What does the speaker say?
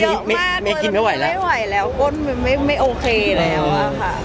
เยอะมากไม่กินไม่ไหวแล้วอ้นไม่โอเคเลย